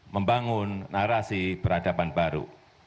membangun narasi peradaban baru